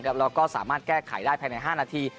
แล้วก็สามารถแก้ไขได้ภายใน๕นาที